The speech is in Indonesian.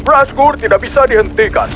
razgoor tidak bisa dihentikan